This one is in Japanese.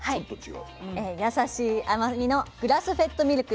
えやさしい甘みのグラスフェッドミルク。